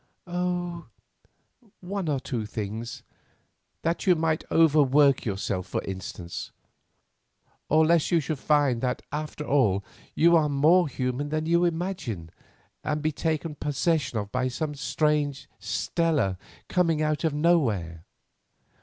"Oh, one or two things; that you might overwork yourself, for instance. Or, lest you should find that after all you are more human than you imagine, and be taken possession of by some strange Stella coming out of nowhere."